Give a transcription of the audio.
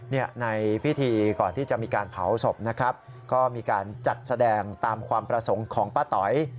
ในพิธีก่อนที่จะมีการเผาศพนะครับก็มีการจัดแสดงตามความประสงค์ของป้าต๋อย